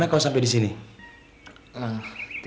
tapi nyai yang menyuruh saya agar